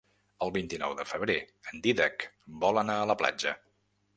El vint-i-nou de febrer en Dídac vol anar a la platja.